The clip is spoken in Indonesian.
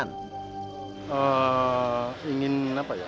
ingin sejauh mana dalam dunia dunia yang dikatakan tidak nyata bisa menjadi nyata